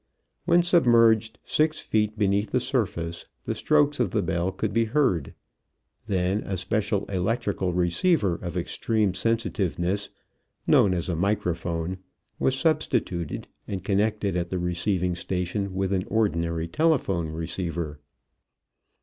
When submerged six feet beneath the surface the strokes of the bell could be heard. Then a special electrical receiver of extreme sensitiveness, known as a microphone, was substituted and connected at the receiving station with an ordinary telephone receiver.